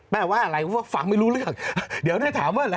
แป้ว่าอะไรฟังไม่รู้เรื่องเดี๋ยวนายถามว่าอะไร